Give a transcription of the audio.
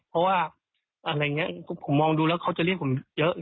เพราะว่าอะไรอย่างนี้ผมมองดูแล้วเขาจะเรียกผมเยอะ